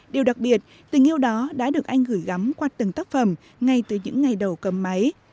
điều đặc biệt tình yêu đó đã được anh gửi gắm qua từng tác phẩm ngay từ những ngày đầu cầm máy